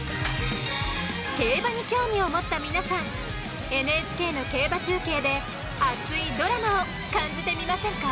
競馬に興味を持った皆さんＮＨＫの競馬中継で熱いドラマを感じてみませんか？